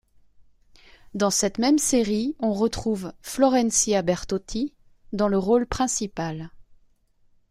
Dans cette même série, on retrouve Florencia Bertotti dans le rôle principal.